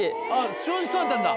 正直そうだったんだ。